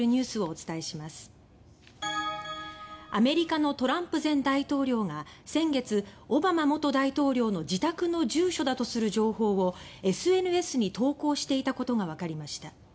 アメリカのトランプ前大統領が先月、オバマ元大統領の自宅の住所だとする情報をＳＮＳに投稿していたことが分かりました。